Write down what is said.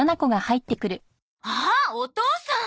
あーっお父さん！